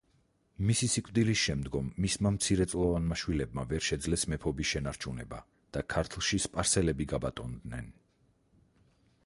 მისი სიკვდილის შემდგომ მისმა მცირეწლოვანმა შვილებმა ვერ შეძლეს მეფობის შენარჩუნება და ქართლში სპარსელები გაბატონდნენ.